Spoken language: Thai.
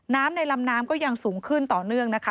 น้ำในลำน้ำก็ยังสูงขึ้นต่อเนื่องนะคะ